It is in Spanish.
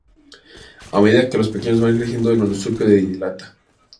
A medida que los pequeños van creciendo, el marsupio se dilata.